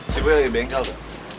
si gue lagi bengkel tuh